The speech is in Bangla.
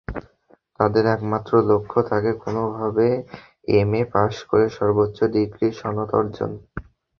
তাদের একমাত্র লক্ষ্য থাকে কোনোভাবে এমএ পাস করে সর্বোচ্চ ডিগ্রির সনদ অর্জন।